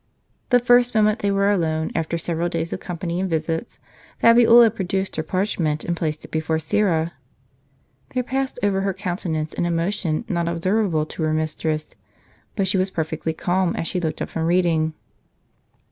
The first moment they were alone, after several "D. ®" days of company and visits, Fabiola produced her parchment, and placed it before Syra. There passed over her counte nance an emotion not observable to her mistress; but she was perfectly calm, as she looked up from reading.